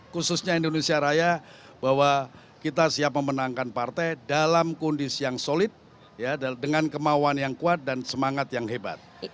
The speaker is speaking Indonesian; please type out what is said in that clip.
khususnya indonesia raya bahwa kita siap memenangkan partai dalam kondisi yang solid dengan kemauan yang kuat dan semangat yang hebat